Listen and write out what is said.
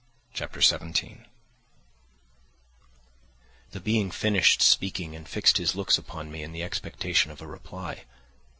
Chapter 17 The being finished speaking and fixed his looks upon me in the expectation of a reply.